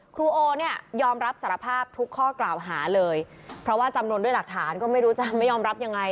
โอเนี่ยยอมรับสารภาพทุกข้อกล่าวหาเลยเพราะว่าจำนวนด้วยหลักฐานก็ไม่รู้จะไม่ยอมรับยังไง